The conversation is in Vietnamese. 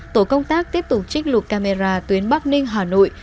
tổ công tác tiếp tục trích lục camera tuyến bắc ninh hà nội